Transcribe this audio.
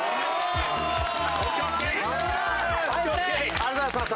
ありがとうございます。